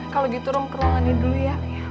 kalau gitu rum ke ruangan ini dulu ya